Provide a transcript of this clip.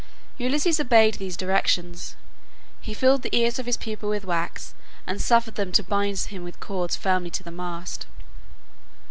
Ulysses obeyed these directions. He filled the ears of his people with wax, and suffered them to bind him with cords firmly to the mast.